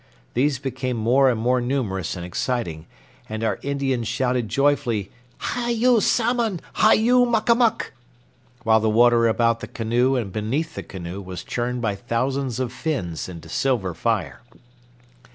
These became more and more numerous and exciting, and our Indians shouted joyfully, "Hi yu salmon! Hi yu muck a muck!" while the water about the canoe and beneath the canoe was churned by thousands of fins into silver fire.